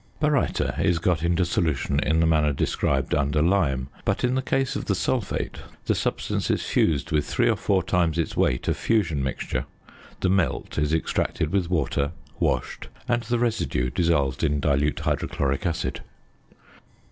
Baryta is got into solution in the manner described under Lime; but in the case of the sulphate the substance is fused with three or four times its weight of "fusion mixture." The "melt" is extracted with water, washed, and the residue dissolved in dilute hydrochloric acid.